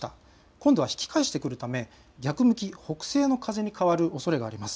今度は引き返してくるため逆向き、北西の風に変わるおそれがあります。